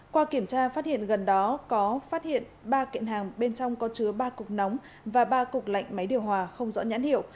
qua kiểm tra phát hiện gần đó có phát hiện ba kiện hàng bên trong có chứa ba cục nóng và ba cục lạnh máy điều hòa không rõ nhãn hiệu